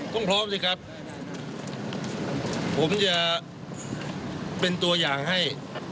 พร้อมสิครับผมจะเป็นตัวอย่างให้